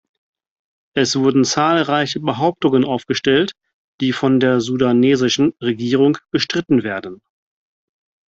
Es wurden zahlreiche Behauptungen aufgestellt, die von der sudanesischen Regierung bestritten werden.